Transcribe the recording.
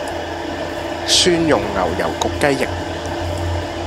蒜蓉牛油焗雞翼